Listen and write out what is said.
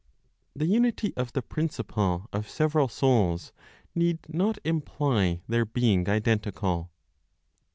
THE UNITY OF THE PRINCIPLE OF SEVERAL SOULS NEED NOT IMPLY THEIR BEING IDENTICAL.